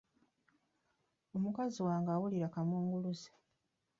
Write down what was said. Omukazi wange awulira kaamunguluze.